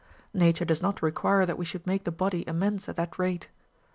Nature does not require that we should make the body amends at that rate.